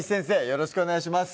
よろしくお願いします